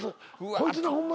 こいつなホンマ